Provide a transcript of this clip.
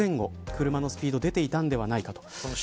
車のスピード出ていたんではないかと。